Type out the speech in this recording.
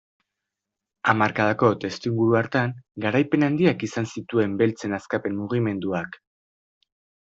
Hamarkadako testuinguru hartan garaipen handiak izan zituen beltzen askapen mugimenduak.